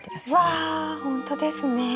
うわほんとですね。